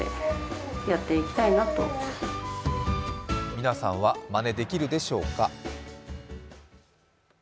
皆さんは、まねできるでしょうか。